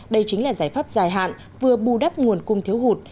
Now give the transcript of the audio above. đây chính là giải pháp dài hạn vừa bù đắp nguồn cung thiếu hụt